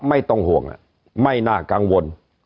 ไม่ต้องห่วงไม่น่ากังวล